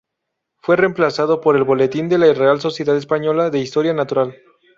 Fue reemplazada por el "Boletín de la Real Sociedad Española de Historia Natural.